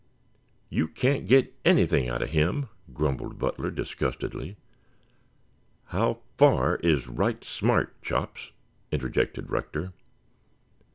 "You can't get anything out of him," grumbled Butler disgustedly. "How far is 'right smart,' Chops?" interjected Rector.